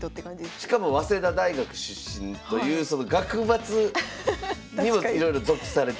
しかも早稲田大学出身という学閥にもいろいろ属されてて。